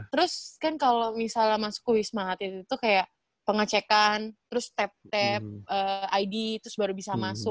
terus kan kalo masuk ke wisma itu kayak pengecekan terus tap tap id terus baru bisa masuk